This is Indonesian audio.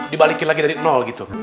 dibalikin lagi dari nol gitu kan